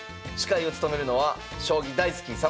司会を務めるのは将棋大好き！